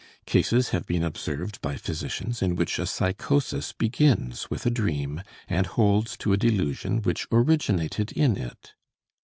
Cases have been observed by physicians in which a psychosis begins with a dream and holds to a delusion which originated in it.